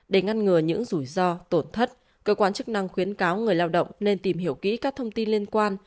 để ngăn ngừa những rủi ro tổn thất cơ quan chức năng khuyến cáo người lao động nên tìm hiểu kỹ các thông tin liên quan